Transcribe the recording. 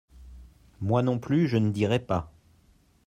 Moi non plus je ne dirai pas.